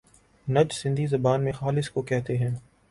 نج سندھی زبان میں خالص کوکہتے ہیں۔